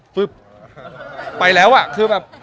ไปแล้วอ่ะคือแบบ